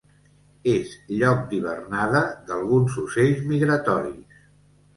És lloc d'hivernada d'alguns ocells migratoris.